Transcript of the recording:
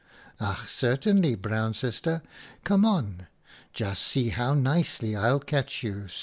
■ Ach, certainly Brown Sister, come on. Just see how nicely I'll catch you.